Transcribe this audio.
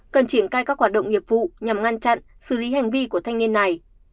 cần triển khai các hoạt động nghiệp vụ nhằm ngăn chặn xử lý hành vi của thanh niên này